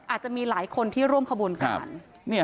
อาจจะมีหลายคนที่ร่วมขบวนการ